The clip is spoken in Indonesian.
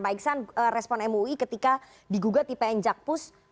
pak iksan respon mui ketika digugat ipn jakpus